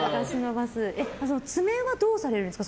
爪はどうされるんですか？